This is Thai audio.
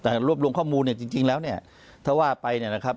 แต่รวบรวมข้อมูลเนี่ยจริงแล้วเนี่ยถ้าว่าไปเนี่ยนะครับ